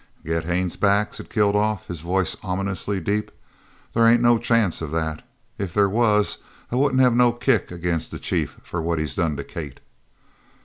"Get Haines back?" said Kilduff, his voice ominously deep. "There ain't no chance of that. If there was I wouldn't have no kick against the chief for what he's done to Kate."